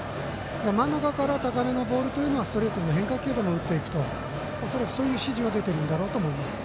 真ん中から高めのボールというのはストレートの変化球でも打っていくと恐らく、そういう指示が出てるんだろうと思います。